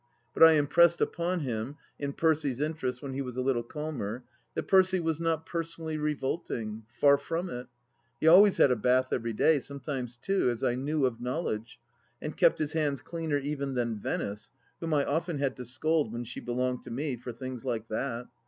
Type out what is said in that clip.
But I impressed upon him, in Percy's interest when he was a little calmer, that Percy was not personally revolting ; far from it. He always had a bath every day — sometimes two — as I knew, of knowledge, and kept his hands cleaner even than Venice, whom I often had to scold when she belonged to me, for things like that.